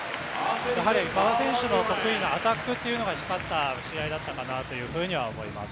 馬場選手の得点がアタックが光った試合だったかなと思います。